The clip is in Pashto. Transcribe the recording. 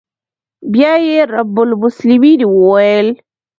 بيا يې رب المسلمين وويل.